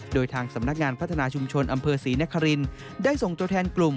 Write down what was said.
โดยทางสำนักงานพัฒนาชุมชนอำเภอศรีนครินได้ส่งตัวแทนกลุ่ม